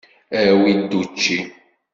Awi-d učči!